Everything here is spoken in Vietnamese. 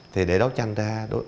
thì để đấu tranh ra